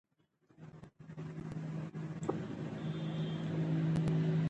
که ښکلا وي نو ذوق نه مري.